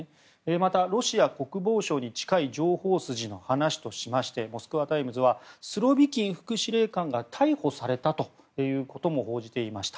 また、ロシア国防省に近い情報筋の話としてモスクワ・タイムズはスロビキン副司令官が逮捕されたということも報じていました。